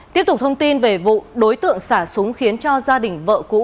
tiếp tục thông tin về vụ đối tượng xả súng khiến cho gia đình vợ cũ